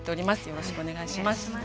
よろしくお願いします。